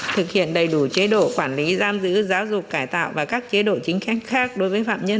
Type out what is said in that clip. thực hiện đầy đủ chế độ quản lý giam giữ giáo dục cải tạo và các chế độ chính khác đối với phạm nhân